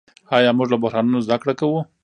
آیا موږ له بحرانونو زده کړه کوو؟